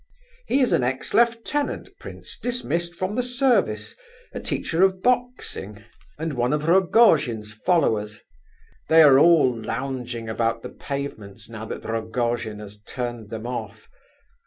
He is an ex lieutenant, prince, dismissed from the service, a teacher of boxing, and one of Rogojin's followers. They are all lounging about the pavements now that Rogojin has turned them off.